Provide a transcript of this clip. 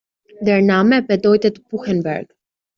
Der Name bedeutet "Buchenberg".